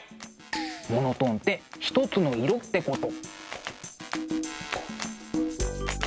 モノトーンってひとつの色ってこと。